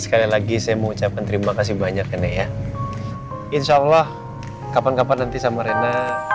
sekali lagi saya mau ucapkan terima kasih banyak nek ya insyaallah kapan kapan nanti sama rena